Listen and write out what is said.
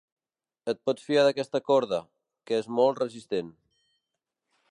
Et pots fiar d'aquesta corda, que és molt resistent.